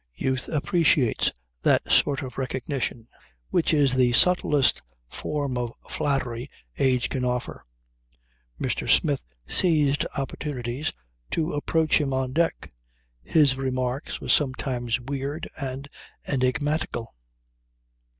Youth appreciates that sort of recognition which is the subtlest form of flattery age can offer. Mr. Smith seized opportunities to approach him on deck. His remarks were sometimes weird and enigmatical.